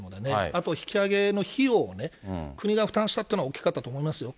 あと、引き揚げの費用をね、国が負担したっていうのは大きかったと思いますよ。